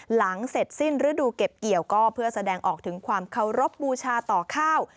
หลังเสร็จสิ้นฤดูเก็บเกี่ยวก็เพื่อแสดงออกถึงความเคารพบูชาต่อข้าว